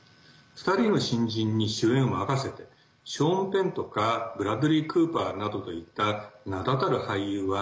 ２人の新人に主演を任せてショーン・ペンとかブラッドリー・クーパーなどといった名だたる俳優は